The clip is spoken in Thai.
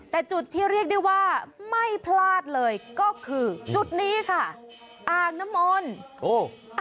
แต่จุดที่เรียกได้ว่าไม่พลาดเลยก็คือจุดนี้ค่ะอ่างน้ำมนต์